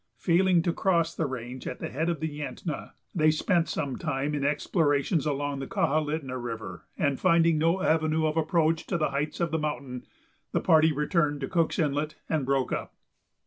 Failing to cross the range at the head of the Yentna, they spent some time in explorations along the Kahilitna River, and, finding no avenue of approach to the heights of the mountain, the party returned to Cook's Inlet and broke up.